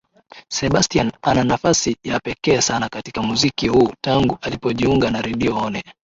Sebastian ana nafasi ya pekee sana katika muziki huu tangu alipojiunga na Radio one